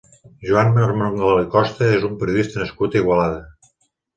Joan Armengol i Costa és un periodista nascut a Igualada.